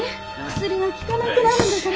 薬が効かなくなるんだから。